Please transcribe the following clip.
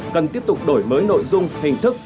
cần tiếp tục đổi mới nội dung hình thức